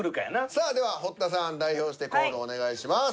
さあでは堀田さん代表してコールお願いします。